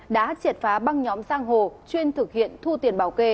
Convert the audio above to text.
đã triệt phá băng nhóm giang hồ chuyên thực hiện thu tiền bảo kê